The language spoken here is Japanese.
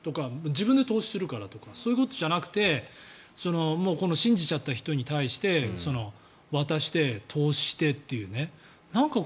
自分で投資するからとかそういうことじゃなくて信じちゃった人に対して渡して投資をしてっていう。